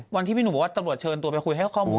พี่หนุ่มบอกว่าตำรวจเชิญตัวไปคุยให้ข้อมูล